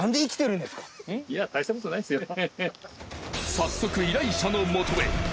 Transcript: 早速依頼者の元へ。